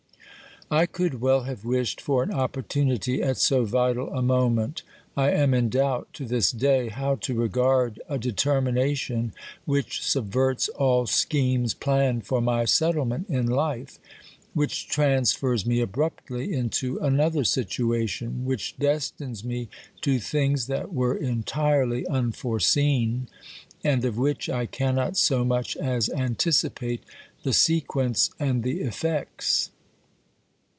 I could well have wished for an opportunity at so vital a moment. I am in doubt to this day how to regard a determination which subverts all schemes planned for my settlement in life, which transfers me abruptly into another situation, which destines me to things that were entirely unforeseen, and of which I cannot so much as anticipate the sequence and the effects.